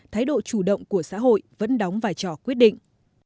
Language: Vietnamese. thái độ chủ động của xã hội vẫn đóng vai trò quyết định